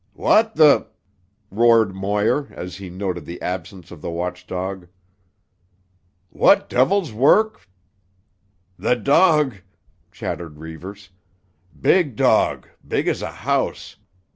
"What tuh ——!" roared Muir, as he noted the absence of the watch dog. "What devil's work——" "The dog!" chattered Reivers. "Big dog; big as a house.